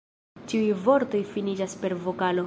Ĉiuj vortoj finiĝas per vokalo.